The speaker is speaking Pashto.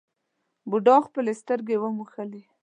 بوډا خپلې سترګې وموښلې.